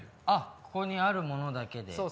あっここにあるものだけで？